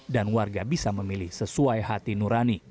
dan warga bisa memilih sesuai hati nurani